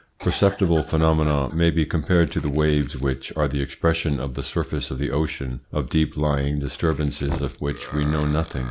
Perceptible phenomena may be compared to the waves, which are the expression on the surface of the ocean of deep lying disturbances of which we know nothing.